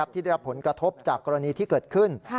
ที่ได้รับผลกระทบจากกรณีที่เกิดขึ้น